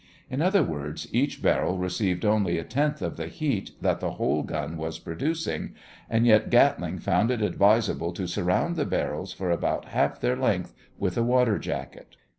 In other words, each barrel received only a tenth of the heat that the whole gun was producing; and yet Gatling found it advisable to surround the barrels for about half their length with a water jacket.